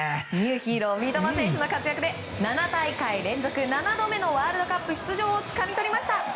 ニューヒーロー三笘選手の活躍で７大会連続７度目のワールドカップ出場をつかみ取りました。